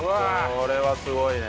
これはすごいね！